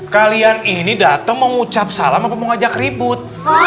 kalian ini dateng mengucap salam apa mau ngajak ribut